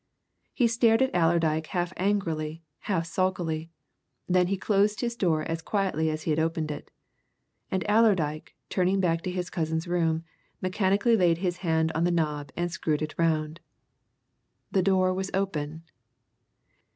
He stared at Allerdyke half angrily, half sulkily; then he closed his door as quietly as he had opened it. And Allerdyke, turning back to his cousin's room, mechanically laid his hand on the knob and screwed it round. The door was open.